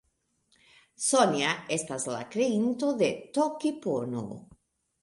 Sonja estas la kreinto de Tokipono.